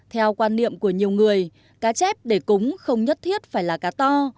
theo quan niệm của nhiều người cá chép để cúng không nhất thiết phải là cá to